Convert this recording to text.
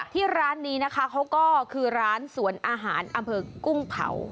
ที่ร้านนี้นะคะเขาก็คือร้านสวนอาหารอำเภอกุ้งเผา